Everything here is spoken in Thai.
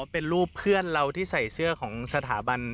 เป็นรูปเพื่อนเราที่ใส่เสื้อของสถาบัน